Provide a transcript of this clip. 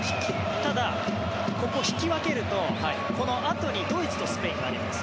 ただ、ここ、引き分けるとこのあとにドイツとスペインがあります。